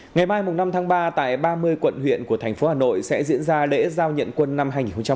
ngày mai năm tháng ba tại ba mươi quận huyện của thành phố hà nội sẽ diễn ra lễ giao nhận quân năm hai nghìn hai mươi